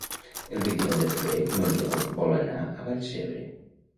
El vint-i-nou de febrer n'Oriol vol anar a Vallcebre.